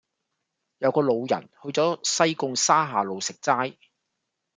有個老人去左西貢沙下路食齋